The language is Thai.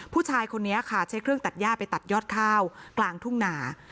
ผู้ชายคนนี้ค่ะใช้เครื่องตัดย่าไปตัดยอดข้าวกลางทุ่งนา